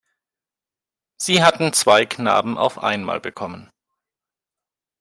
Sie hatten zwei Knaben auf einmal bekommen.